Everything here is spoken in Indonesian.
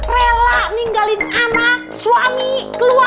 rela ninggalin anak suami keluarga